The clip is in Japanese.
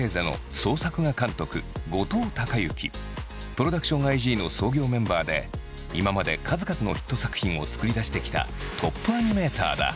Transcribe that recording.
ＰｒｏｄｕｃｔｉｏｎＩ．Ｇの創業メンバーで今まで数々のヒット作品を作り出してきたトップアニメーターだ。